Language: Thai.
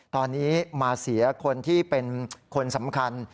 ตอนนี้มาเสียคนที่เป็นคนสำคัญ